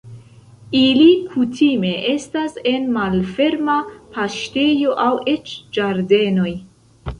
Ili kutime estas en malferma paŝtejo aŭ eĉ ĝardenoj.